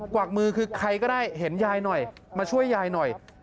วักมือคือใครก็ได้เห็นยายหน่อยมาช่วยยายหน่อย